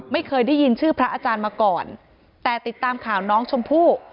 ไม่เคยได้ยินชื่อพระอาจารย์มาก่อนแต่ติดตามข่าวน้องชมพู่